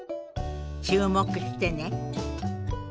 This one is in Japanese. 注目してね。